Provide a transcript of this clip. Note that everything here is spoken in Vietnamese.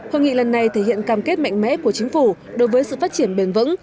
hội nghị lần này thể hiện cam kết mạnh mẽ của chính phủ đối với sự phát triển bền vững